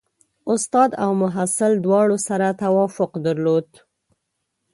استاد او محصل دواړو سره توافق درلود.